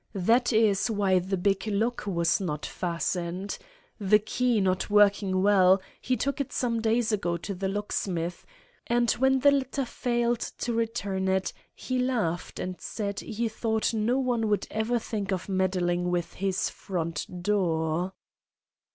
That is why the big lock was not fastened. The key, not working well, he took it some days ago to the locksmith, and when the latter failed to return it, he laughed, and said he thought no one would ever think of meddling with his front door."